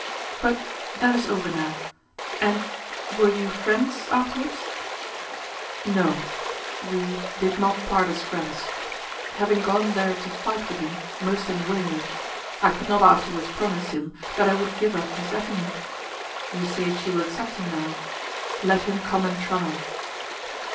"But that is over now. And were you friends afterwards?" "No; we did not part as friends. Having gone there to fight with him, most unwillingly, I could not afterwards promise him that I would give up Miss Effingham. You say she will accept him now. Let him come and try."